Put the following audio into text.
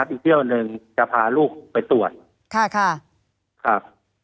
อีกเที่ยวหนึ่งจะพาลูกไปตรวจค่ะค่ะครับ